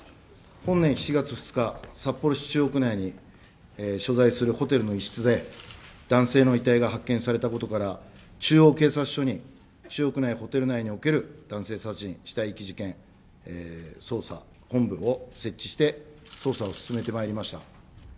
本年７月２日、札幌市中央区内に所在するホテルの一室で、男性の遺体が発見されたことから、中央警察署に中央区内ホテル内における男性殺人・死体遺棄事件捜査本部を設置して、捜査を進めてまいりました。